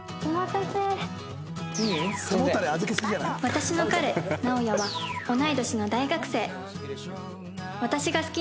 私の彼ナオヤは同い年の大学生